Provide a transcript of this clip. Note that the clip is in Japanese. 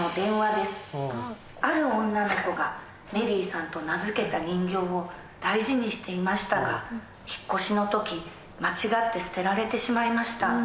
ある女の子がメリーさんと名付けた人形を大事にしていましたが引っ越しの時間違って捨てられてしまいました。